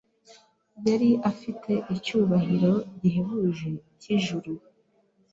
Yari afite icyubahiro gihebuje cy’ijuru.